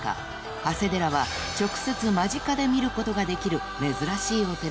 長谷寺は直接間近で見ることができる珍しいお寺］